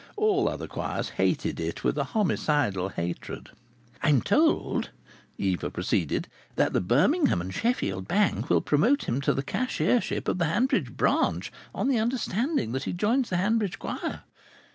All other choirs hated it with a homicidal hatred. "I'm told," Eva proceeded, "that the Birmingham and Sheffield Bank will promote him to the cashiership of the Hanbridge Branch on the understanding that he joins the Hanbridge Choir.